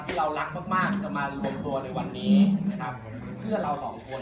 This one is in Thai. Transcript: เรารักมากมากจะมารวมตัวในวันนี้นะครับผมเพื่อนเราสองคน